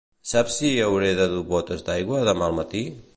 Saps si hauré de dur botes d'aigua demà al matí?